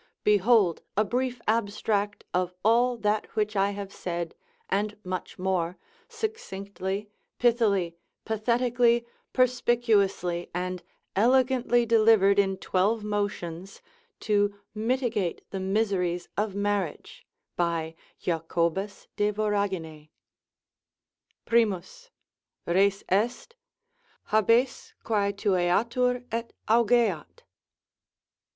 behold a brief abstract of all that which I have said, and much more, succinctly, pithily, pathetically, perspicuously, and elegantly delivered in twelve motions to mitigate the miseries of marriage, by Jacobus de Voragine, 1. Res est? habes quae tucatur et augeat.